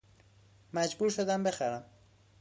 مجبور شدم بخرم